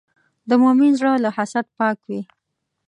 د مؤمن زړه له حسد پاک وي.